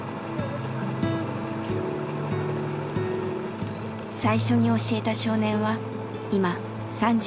最初に教えた少年は今３７歳。